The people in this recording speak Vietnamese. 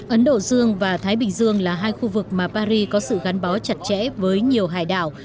ấn độ dương và thái bình dương là hai khu vực mà paris có sự gắn bó chặt chẽ với nhiều hải đảo